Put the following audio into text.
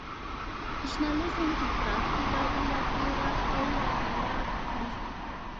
نشنلیزم افراطی به بالاخره او را هلاک کړي.